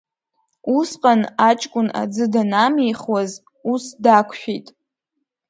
Усҟан, аҷкәын аӡы данамихуаз, ус дақәшәеит.